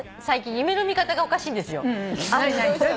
最近夢の見方がおかしいんですよ。